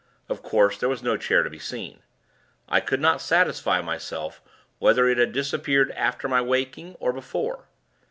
Of course, there was no chair to be seen. I could not satisfy myself, whether it had disappeared, after my waking, or before.